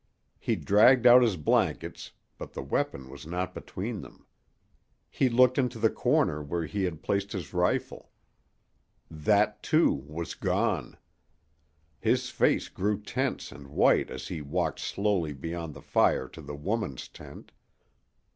He dragged out his blankets, but the weapon was not between them. He looked into the corner where he had placed his rifle. That, too, was gone. His face grew tense and white as he walked slowly beyond the fire to the woman's tent.